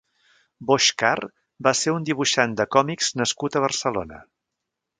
Boixcar va ser un dibuixant de còmics nascut a Barcelona.